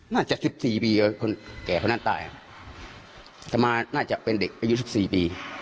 น่าจะสิบสี่ปีเอ้ยคนแก่คนนั้นตายน่าจะเป็นเด็กอายุสิบสี่ปี